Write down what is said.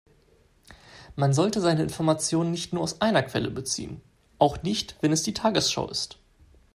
Man sollte seine Informationen nicht nur aus einer Quelle beziehen, auch nicht wenn es die Tagesschau ist.